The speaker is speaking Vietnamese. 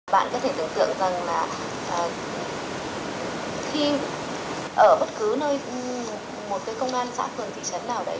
bạn có thể tưởng tượng rằng là khi ở bất cứ nơi một cái công an xã phường thị trấn nào đấy